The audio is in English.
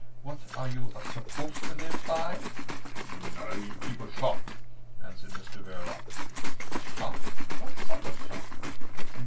What are you supposed to live by?" "I keep a shop," answered Mr Verloc. "A shop! What sort of shop?"